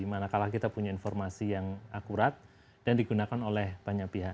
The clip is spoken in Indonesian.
manakala kita punya informasi yang akurat dan digunakan oleh banyak pihak